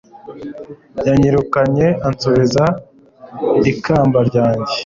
yanyirukanye ansubiza ikamba ryanjye